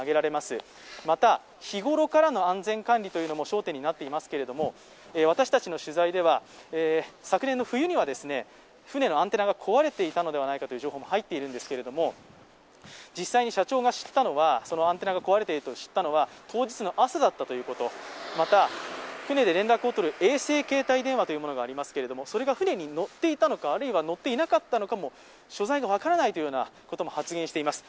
また、日頃からの安全管理も焦点になっていますけれども私たちの取材では、昨年の冬には船のアンテナが壊れていたのではないかという情報も入っているんですが実際に社長がアンテナが壊れていることを知ったのは、当日の朝だったということ、また、船で連絡をとる衛星携帯電話というものがありますけれどもそれが船に載っていたのかあるいは載っていなかったのか所在が分からなかったという発言もしています。